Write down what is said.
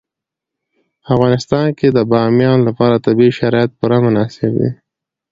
په افغانستان کې د بامیان لپاره طبیعي شرایط پوره مناسب دي.